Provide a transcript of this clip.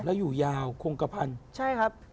แล้วอยู่ยาวคงกระพันธุ์ใช่ครับ